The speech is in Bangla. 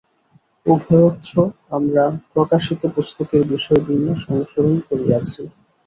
উভয়ত্র আমরা প্রকাশিত পুস্তকের বিষয়-বিন্যাস অনুসরণ করিয়াছি।